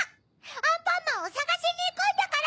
アンパンマンをさがしにいくんだから！